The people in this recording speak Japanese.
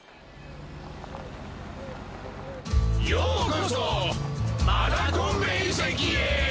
ようこそマダコンベいせきへ！